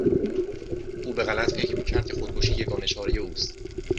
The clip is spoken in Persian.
او به غلط فکر میکرد که خودکشی یگانه چارهی اوست.